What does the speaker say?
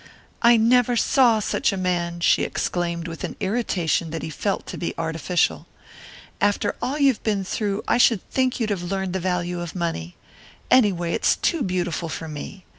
"I never saw such a man!" she exclaimed with an irritation that he felt to be artificial. "After all you've been through, I should think you'd have learned the value of money. Anyway, it's too beautiful for me.